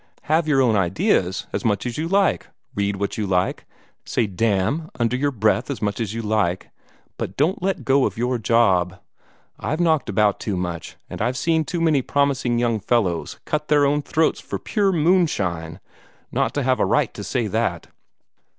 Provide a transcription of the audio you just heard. Have your own ideas as much as you like, read what you like, say 'Damn' under your breath as much as you like, but don't let go of your job. I've knocked about too much, and I've seen too many promising young fellows cut their own throats for pure moonshine, not to have a right to say that."